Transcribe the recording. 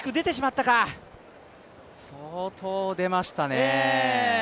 相当出ましたね。